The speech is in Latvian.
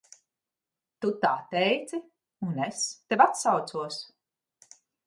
Tu tā teici, un es tev atsaucos!